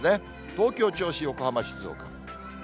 東京、銚子、横浜、静岡。